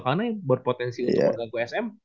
karena berpotensi untuk mengganggu sm